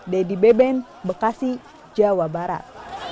dedy beben bekasi jawa barat